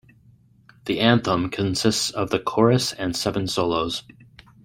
The anthem consists of the chorus and seven solos.